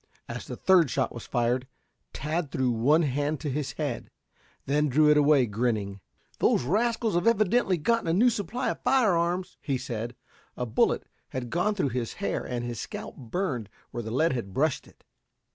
As the third shot was fired, Tad threw one hand to his head; then drew it away grinning. "Those rascals have evidently gotten a new supply of fire arms," he said. A bullet had gone through his hair and his scalp burned where the lead had brushed it.